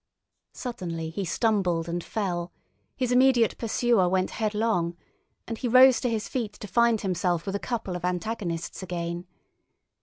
Suddenly he stumbled and fell; his immediate pursuer went headlong, and he rose to his feet to find himself with a couple of antagonists again.